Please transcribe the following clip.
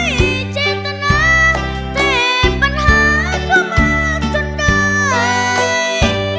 เจตนาแต่ปัญหาก็มากจนได้